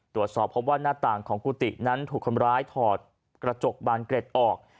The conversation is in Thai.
ตรวจสอบพบว่าหน้าต่างของกุฏินั้นถูกคนร้ายถอดกระจกบานเกร็ดออก